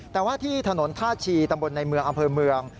แต่ว่าที่ถนนท่าชีตำบลในเมืองอำเภอเมือง